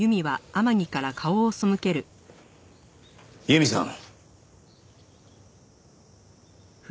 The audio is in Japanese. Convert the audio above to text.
由美さん。